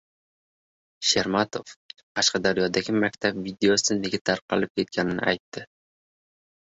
Shermatov Qashqadaryodagi maktab videosi nega tarqalib ketganini aytdi